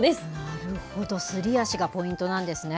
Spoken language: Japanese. なるほど、すり足がポイントなんですね。